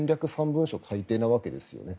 ３文書改訂なわけですね。